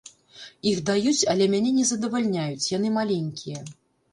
Іх даюць, але мяне не задавальняюць, яны маленькія.